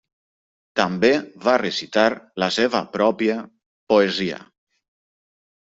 També va recitar la seva pròpia poesia.